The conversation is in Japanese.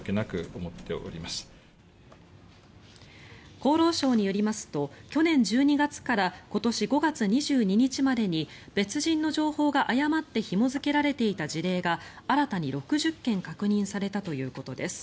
厚労省によりますと去年１２月から今年５月２２日までに別人の情報が誤ってひも付けられていた事例が新たに６０件確認されたということです。